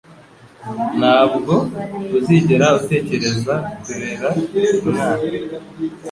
Ntabwo uzigera utekereza kurera umwana?